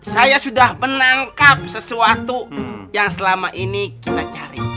saya sudah menangkap sesuatu yang selama ini kita cari